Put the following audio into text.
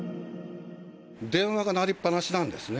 電話が鳴りっ放しなんですね。